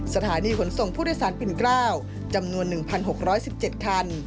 สถานีขนส่งผู้โดยสารปิ่น๙จำนวน๑๖๑๗คัน